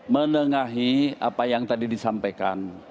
menengahi apa yang tadi disampaikan